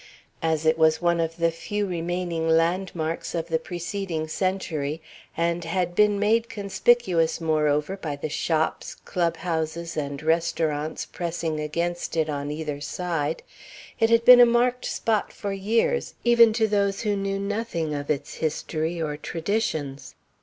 As it was one of the few remaining landmarks of the preceding century, and had been made conspicuous moreover by the shops, club houses, and restaurants pressing against it on either side, it had been a marked spot for years even to those who knew nothing of its history or traditions.